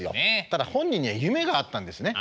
ただ本人には夢があったんですね。